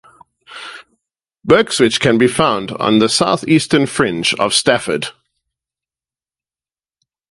Berkswich can be found on the south-eastern fringe of Stafford.